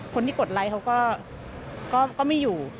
คนที่กดไลค์เขาก็ไม่อยู่